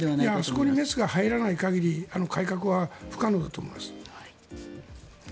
あそこにメスが入らない限り改革は不可能だと思います。